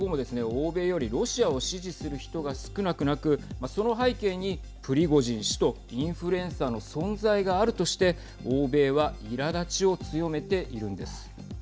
欧米よりロシアを支持する人が少なくなくその背景にプリゴジン氏とインフルエンサーの存在があるとして欧米はいらだちを強めているんです。